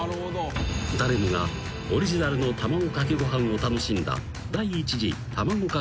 ［誰もがオリジナルの卵かけご飯を楽しんだ］